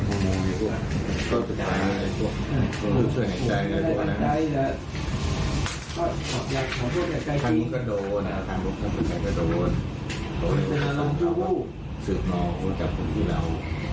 โดนต้องทำสืบนองจากคนที่เรา